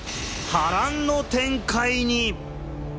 波乱の展開に。